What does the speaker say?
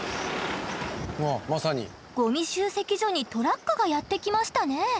ゴミ集積所にトラックがやって来ましたね。